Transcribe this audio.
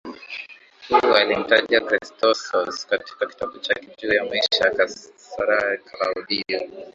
huyu alimtaja Chrestos katika kitabu chake juu ya maisha ya Kaisari Klaudio